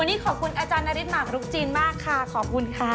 วันนี้ขอบคุณอาจารย์นาริสหมากรุกจีนมากค่ะขอบคุณค่ะ